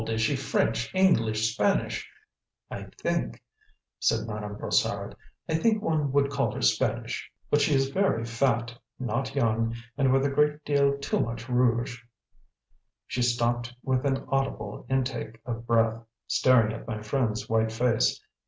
Is she French, English, Spanish " "I think," said Madame Brossard, "I think one would call her Spanish, but she is very fat, not young, and with a great deal too much rouge " She stopped with an audible intake of breath, staring at my friend's white face.